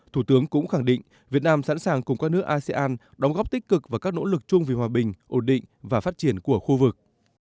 thủ tướng cũng khẳng định việt nam sẵn sàng cùng các nước asean đóng góp tích cực và các nỗ lực chung vì hòa bình ổn định và phát triển của khu vực